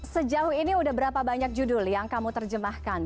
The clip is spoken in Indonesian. sejauh ini udah berapa banyak judul yang kamu terjemahkan